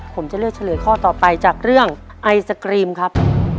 ผมจะเลือกเฉลยข้อต่อไปจากเรื่องไอศกรีมครับ